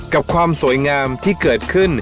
กับความสวยงามที่เกิดขึ้น